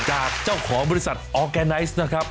จากเจ้าของบริษัทออร์แกไนซ์นะครับ